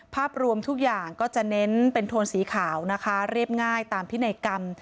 ภาพรวมทุกอย่างก็จะเน้นเป็นโทนสีขาวนะคะเรียบง่ายตามพินัยกรรม